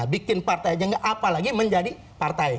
bikin partai aja enggak apalagi menjadi partai